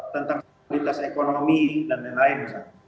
tentang kualitas ekonomi dan lain lain